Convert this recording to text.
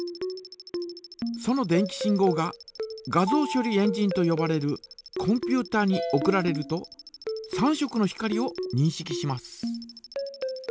その電気信号が画像処理エンジンとよばれるコンピュータに送られると３色の光をにんしきします。